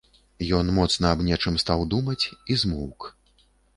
Ён моцна аб нечым стаў думаць і змоўк.